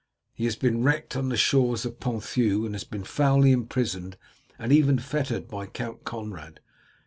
He has been wrecked on the shores of Ponthieu, and has been foully imprisoned and even fettered by Count Conrad.